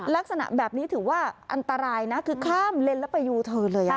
ลักษณะแบบนี้ถือว่าอันตรายนะคือข้ามเลนแล้วไปยูเธอเลย